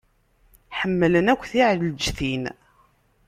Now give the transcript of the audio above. Ḥemmlen akk tiɛleǧtin.